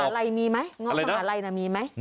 มะหลายมีไหมงอกมะหลายมีไหม